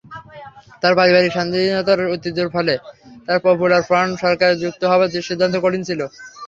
তার পারিবারিক স্বাধীনতার ঐতিহ্যের ফলে তার পপুলার ফ্রন্ট সরকারে যুক্ত হবার সিদ্ধান্ত কঠিন ছিল।